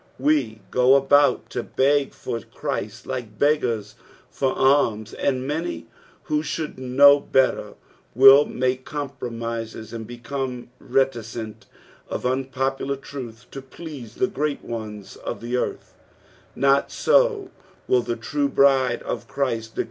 We E about to beg for Christ like beggars for alms, aud many who should know tter will makj compromises and become reticent of unpopular truth to please the great ones of the earth ; not so will the true bride of Clirist di?